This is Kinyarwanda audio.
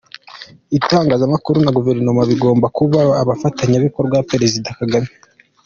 Itangazamakuru na Guverinoma bigomba kuba abafatanya bikorwa- Perezida Kagame